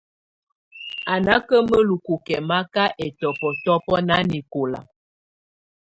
Á nà ka mǝ́lukù kɛ̀maka ɛtɔbɔtɔbɔ nanɛkɔla.